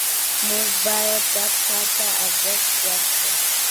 موږ باید ګډ کار ته ارزښت ورکړو